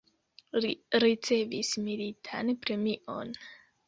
Li ricevis militan premion.